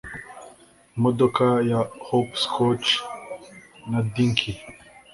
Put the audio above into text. imodoka ya hopscotch na dinky